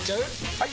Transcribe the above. ・はい！